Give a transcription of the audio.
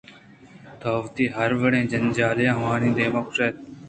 تو وتی ہروڑیں جنجالے آوانی دیم ءَ گوٛشت کنئے